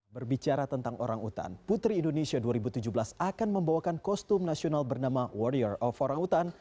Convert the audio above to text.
berbicara tentang orang utan putri indonesia dua ribu tujuh belas akan membawakan kostum nasional bernama warrior of orang utan